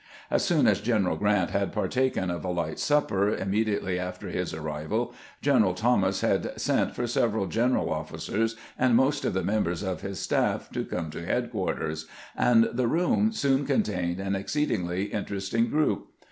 4 CAMPAIGNING WITH GBANT As soon as Greneral Grant had partaken of a light supper immediately after his arrival, General Thomas had sent for several general officers and most of ^the members of his staff to come to headquarters, and the room soon contained an exceedingly interesting group.